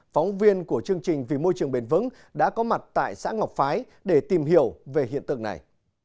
phóng viên của chương trình vì môi trường bền vững đã có mặt tại xã ngọc phái để tìm hiểu về hiện tượng này